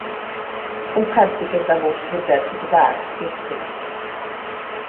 Un kad tik es dabūšu dzirdēt, ka tu bērnus ķircini.